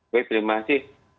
oke terima kasih